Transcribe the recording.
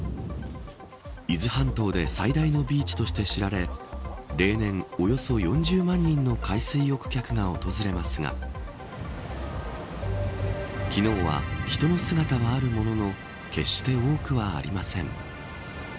伊豆半島で最大のビーチとして知られ例年およそ４０万人の海水浴客が訪れますが昨日は、人の姿はあるものの決して多くはありません。